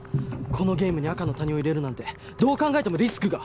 このゲームに赤の他人を入れるなんてどう考えてもリスクが。